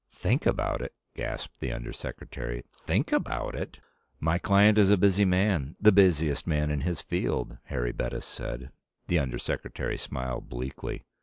"Think about it!" gasped the Under Secretary. "Think about it!" "My client is a busy man the busiest man in his field," Harry Bettis said. The Under Secretary smiled bleakly.